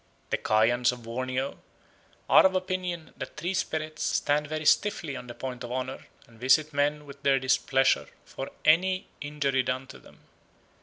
The Kayans of Borneo are of opinion that tree spirits stand very stiffly on the point of honour and visit men with their displeasure for any injury done to them.